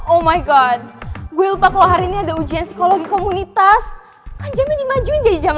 oh my god gue lupa kalau hari ini ada ujian psikologi komunitas kan jamin maju jadi jam delapan